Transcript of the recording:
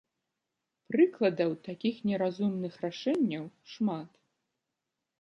Прыкладаў такіх неразумных рашэнняў шмат.